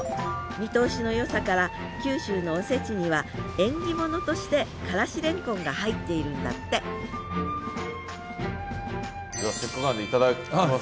見通しのよさから九州のおせちには縁起物としてからしレンコンが入っているんだってじゃあせっかくなんで頂きます。